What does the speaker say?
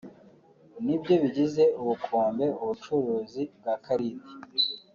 ni byo bigize ubukombe ubucuruzi bwa Khaled